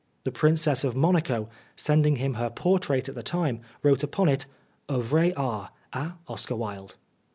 The Princess of Monaco, sending him her portrait at that time, wrote upon it :" Au vrai Art a Oscar Wilde."